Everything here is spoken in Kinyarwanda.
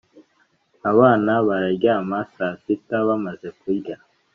abana bararyama saa sita bamaze kurya